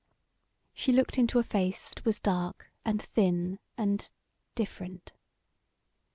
She looked into a face that was dark and thin and different.